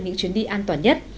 những chuyến đi an toàn nhất